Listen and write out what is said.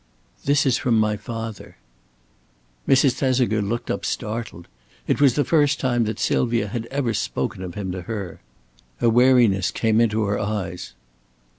"This is from my father." Mrs. Thesiger looked up startled. It was the first time that Sylvia had ever spoken of him to her. A wariness come into her eyes.